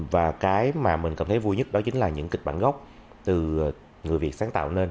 và cái mà mình cảm thấy vui nhất đó chính là những kịch bản gốc từ người việt sáng tạo lên